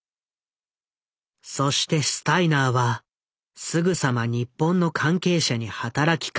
そしてスタイナーはすぐさま日本の関係者に働きかける。